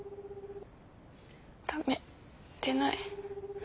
駄目出ない。